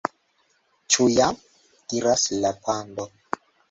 "Ĉu jam?" diras la pando.